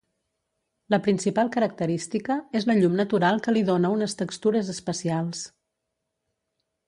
La principal característica és la llum natural que li dóna unes textures especials.